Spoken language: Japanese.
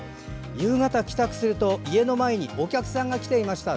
夕方帰宅すると家の前にお客さんが来ていました。